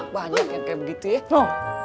banyak yang kayak begitu ya noh